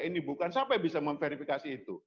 ini bukan siapa yang bisa memverifikasi itu